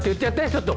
ちょっと。